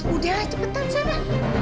udah cepetan sana